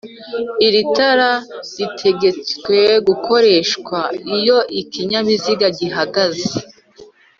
Iri tara ritegetswe gukoreshwa iyo ikinyabiziga gihagaze.